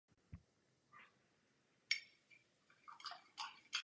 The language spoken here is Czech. Některé jeho obrazy spravuje Severočeská galerie výtvarných umění v Litoměřicích.